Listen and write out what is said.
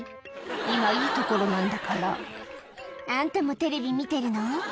「今いいところなんだから」あんたもテレビ見てるの？